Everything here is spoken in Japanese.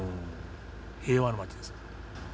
平和な町です。